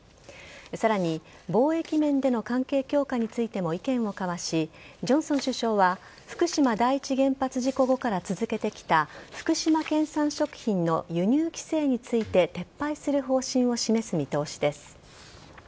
さらに、貿易面での関係強化についても意見を交わしジョンソン首相は福島第一原発事故後から続けてきた福島県産食品の輸入規制について撤廃する方針を示す見通しです。